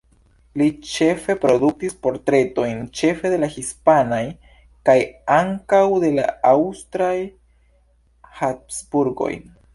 Li ĉefe produktis portretojn, ĉefe de la hispanaj, kaj ankaŭ de la aŭstraj, Habsburgoj.